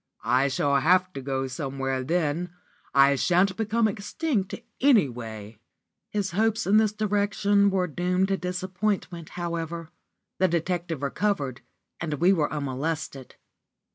I shall have to go somewhere then; I shan't become extinct anyway." His hopes in this direction were doomed to disappointment, however. The detective recovered, and we were unmolested.